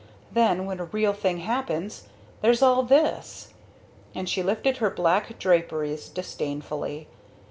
Then when a real thing happens there's all this!" and she lifted her black draperies disdainfully.